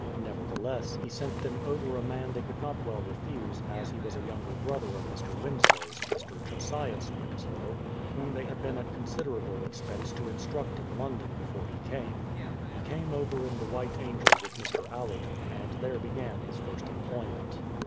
Nevertheless, he 236 BRADFORD'S HISTORY OF sent them over a man they could not well refuse, as he was a younger brother of Mr. Winslow's,— Mr. Josias Winslow, — whom they had been at considerable expense to instruct in London before he came. He came over in the White Angel with Mr. Allerton, and there began his first employment.